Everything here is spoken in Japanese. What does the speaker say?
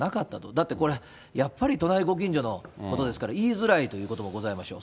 だって、これ、やっぱり隣ご近所のことですから、言いづらいということもございましょう。